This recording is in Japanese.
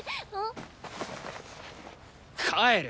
帰る。